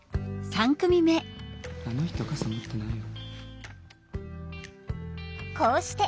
「あの人傘持ってないよ」。